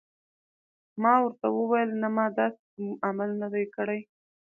ما ورته وویل: نه، ما داسې کوم عمل نه دی کړی.